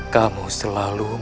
kamu selalu berhutang